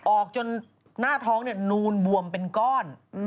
ออกจนหน้าท้องนูนบวมเป็นก้อน